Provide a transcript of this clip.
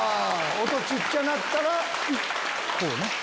音小っちゃなったらこうね。